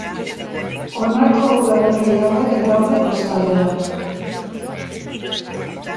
Honako udalerri hauek daude kostaldean.